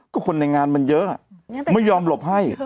ก็คนในงานมันเยอะไม่ยอมหลบให้